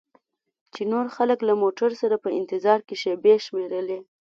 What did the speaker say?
چې نور خلک له موټر سره په انتظار کې شیبې شمیرلې.